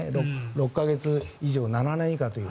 ６か月以上７年以下っていう。